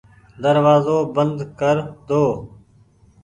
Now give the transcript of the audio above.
دروآزو بند ڪر دو ۔